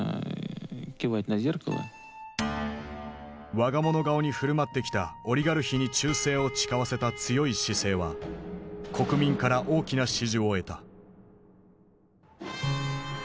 我が物顔に振る舞ってきたオリガルヒに忠誠を誓わせた強い姿勢は国民から大きな支持を得た。